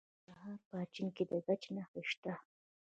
د ننګرهار په اچین کې د ګچ نښې شته.